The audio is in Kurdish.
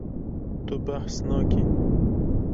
Tu behs nakî.